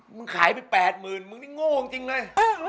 มึงขายไป๘๐๐๐มึงนี่โง่จริงเลย